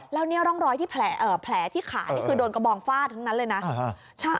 แล้วนี่ร่องรอยที่แผลที่ขานี่คือโดนกระบองฟาดทั้งนั้นเลยนะ